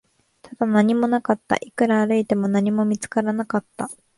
ただ、何もなかった、いくら歩いても、何も見つからなかった